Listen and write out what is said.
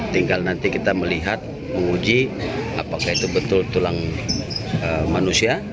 tinggal nanti kita melihat menguji apakah itu betul tulang manusia